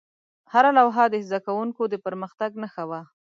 هره لوحه د زده کوونکو د پرمختګ نښه وه.